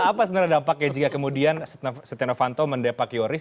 apa sebenarnya dampaknya jika kemudian setia novanto mendepak yoris